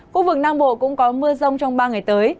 khu vực nam bộ cũng có mưa rông trong ba ngày tới